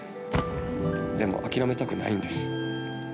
でも、諦めたくないんです。